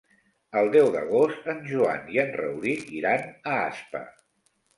El deu d'agost en Joan i en Rauric iran a Aspa.